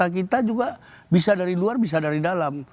kita juga bisa dari luar bisa dari dalam